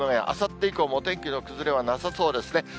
あさって以降もお天気の崩れはなさそうですね。